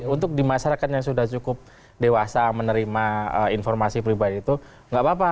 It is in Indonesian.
untuk di masyarakat yang sudah cukup dewasa menerima informasi pribadi itu nggak apa apa